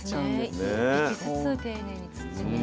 一匹ずつ丁寧に釣ってね。